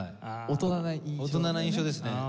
大人な印象ですね。